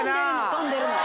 飛んでるの。